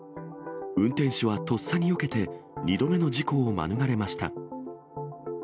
運転手はとっさによけて、２度目の事故を免れました。